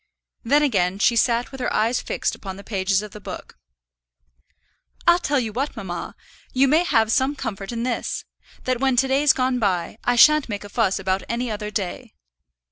Then again she sat with her eyes fixed upon the pages of the book. "I'll tell you what, mamma, you may have some comfort in this: that when to day's gone by, I shan't make a fuss about any other day."